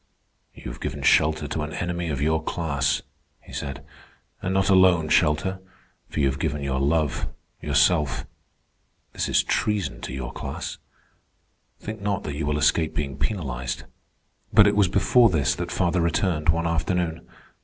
"You have given shelter to an enemy of your class," he said. "And not alone shelter, for you have given your love, yourself. This is treason to your class. Think not that you will escape being penalized." But it was before this that father returned one afternoon.